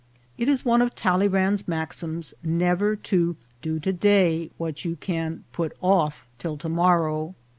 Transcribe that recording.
It was one of Talleyrand's maxims never to do to day what you can put off till to morrow.